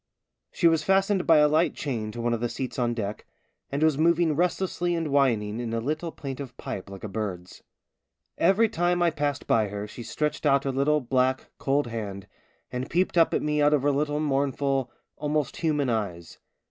She was fastened by a light chain to one of the seats on deck, and was moving restlessly and whining in a little plaintive pipe like a bird's. Every time I passed by her she stretched out her little, black, cold hand, and peeped up at me out of her little mournful, almost human eyes.